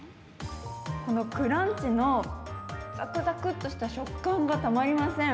このクランチのざくざくっとした食感がたまりません。